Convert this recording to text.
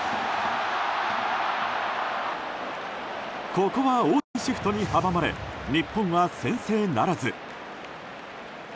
ここは大谷シフトに阻まれ日本は先制ならず。